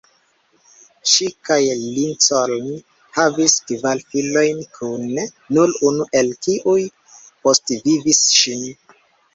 Ŝi kaj Lincoln havis kvar filojn kune, nur unu el kiuj postvivis ŝin.